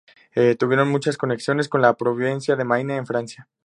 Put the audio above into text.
Tuvieron muchas conexiones con la provincia de Maine en Francia.